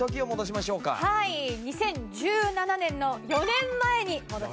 ２０１７年の４年前に戻したいと思います。